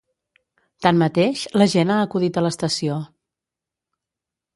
Tanmateix, la gent ha acudit a l’estació.